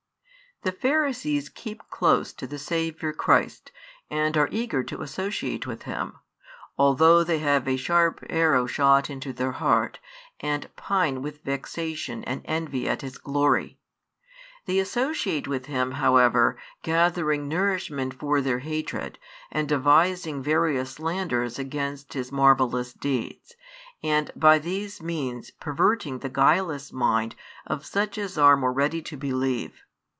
The Pharisees keep close to the Saviour Christ and are eager to associate with Him, although they have a sharp arrow shot into their heart, and pine with vexation and envy at His glory; they associate with Him, however, gathering nourishment for their hatred, and devising various slanders against His marvellous deeds, and by these means perverting the guileless mind of such as are more ready to believe.